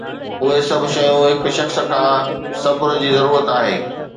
اهي سڀ شيون هڪ شخص کان صبر جي ضرورت آهي